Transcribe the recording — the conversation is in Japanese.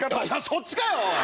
そっちかよ！